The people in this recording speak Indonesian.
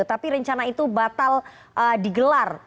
tapi rencana itu batal digelar